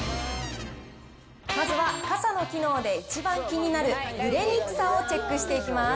まずは傘の機能で一番気になるぬれにくさをチェックしていきます。